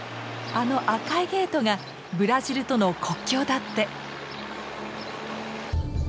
あの赤いゲートがブラジルとの国境だって！